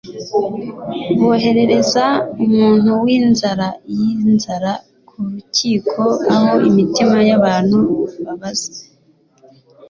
Bohereza umuntu winzara yinzara kurukiko aho imitima yabantu babaza